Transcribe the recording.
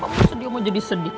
mama sedih mau jadi sedih